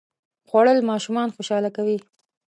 خوړل ماشومان خوشاله کوي